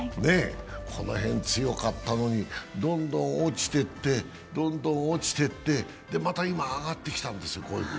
この辺強かったのに、どんどん落ちていって、で、また今、上がってきたんですよ。